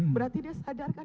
berarti dia sadarkan